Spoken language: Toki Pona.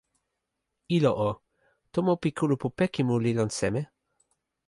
ilo o, tomo pi kulupu Pekimu li lon seme?